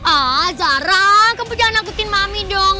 ah zara kamu jangan nakutin mami dong